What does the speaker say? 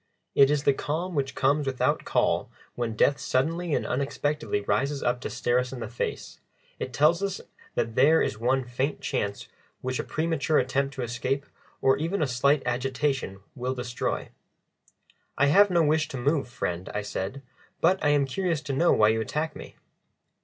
It is the calm which comes without call when death suddenly and unexpectedly rises up to stare us in the face; it tells us that there is one faint chance which a premature attempt to escape or even a slight agitation will destroy. "I have no wish to move, friend," I said, "but I am curious to know why you attack me?"